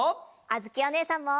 あづきおねえさんも。